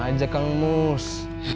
jangan aja kang mus